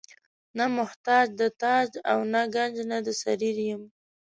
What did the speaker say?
نه محتاج د تاج او ګنج نه د سریر یم.